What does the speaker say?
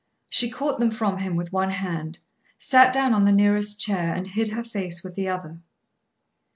She caught them from him with one hand, sat down on the nearest chair, and hid her face with the other.